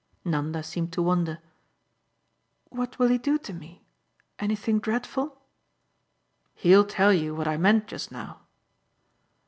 Nanda seemed to wonder. "What will he do to me? Anything dreadful?" "He'll tell you what I meant just now."